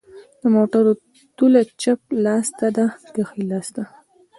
د موټر توله چپ لاس ته ده که ښي لاس ته